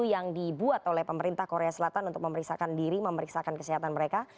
yang dibuat oleh pemerintah korea selatan untuk memeriksakan diri memeriksakan kesehatan mereka